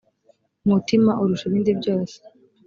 umutima urusha ibindi byose